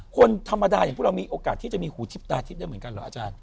คนธรรมดาอย่างพวกเรามีโอกาสที่จะมีหูทิพย์ตาทิพย์ได้เหมือนกันเหรออาจารย์